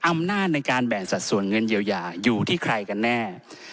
อำนาจในการแบ่งสัดส่วนเงินเยียวยาอยู่ที่ใครกันแน่